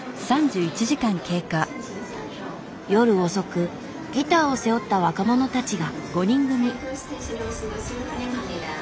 夜遅くギターを背負った若者たちが。